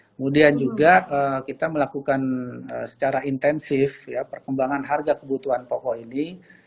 kemudian juga kita melakukan secara intensif perkembangan harga kebutuhan pokok ini